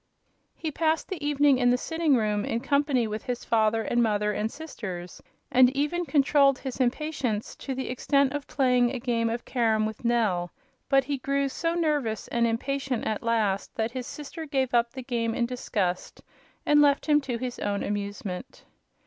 He passed the evening in the sitting room, in company with his father and mother and sisters, and even controlled his impatience to the extent of playing a game of carom with Nell; but he grew so nervous and impatient at last that his sister gave up the game in disgust and left him to his own amusement.